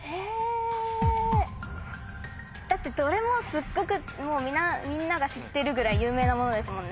だってどれもすっごくみんなが知ってるぐらい有名なものですもんね。